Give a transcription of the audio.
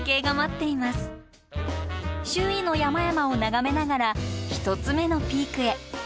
周囲の山々を眺めながら１つ目のピークへ。